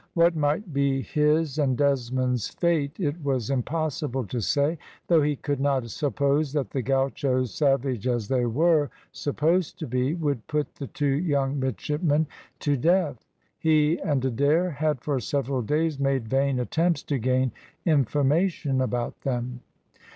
What might be his and Desmond's fate it was impossible to say, though he could not suppose that the gauchos, savage as they were supposed to be, would put the two young midshipmen to death. He and Adair had for several days made vain attempts to gain information about them.